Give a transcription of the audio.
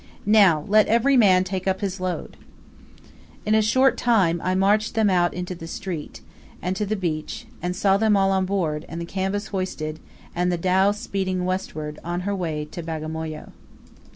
"Now, let every man take up his load!" In a short time I marched them out into the street, and to the beach; saw them all on board, and the canvas hoisted, and the dhow speeding westward on her way to Bagamoyo.